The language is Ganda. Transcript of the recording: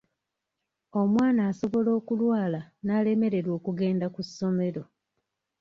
Omwana asobola okulwala n'alemererwa okugenda ku ssomero.